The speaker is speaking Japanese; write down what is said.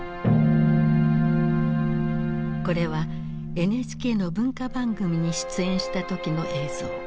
これはＮＨＫの文化番組に出演した時の映像。